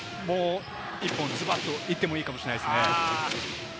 そこ、もう１本ズバッといってもいいかもしれないですね。